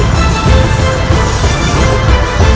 jangan kejar makhluk yakin